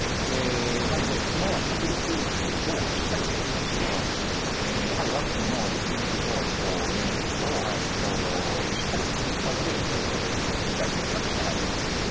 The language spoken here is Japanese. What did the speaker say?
なので、その確率をしっかり説明して、やはりワクチンのリスクとベネフィットをしっかり説明したうえで、理解していただくしかないんではないかと。